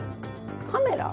カメラ？